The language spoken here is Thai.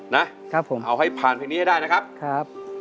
นะครับผมเอาให้ผ่านเพลงนี้ให้ได้นะครับ